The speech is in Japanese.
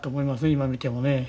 今見てもね。